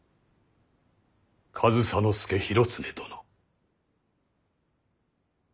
上総介広常殿。